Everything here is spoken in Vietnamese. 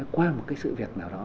qua một cái sự việc nào đó